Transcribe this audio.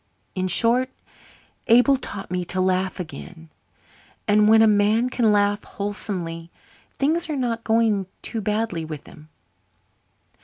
In short, Abel taught me to laugh again; and when a man can laugh wholesomely things are not going too badly with him.